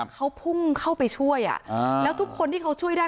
เขาพุ่งเข้าไปช่วยแล้วทุกคนที่เขาช่วยได้